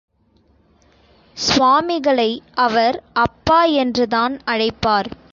சுவாமிகளை அவர், அப்பா என்றுதான் அழைப்பார்.